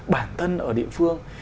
bản thân ở địa phương